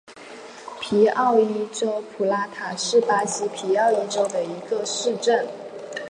皮奥伊州普拉塔是巴西皮奥伊州的一个市镇。